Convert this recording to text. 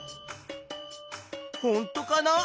ほんとかな？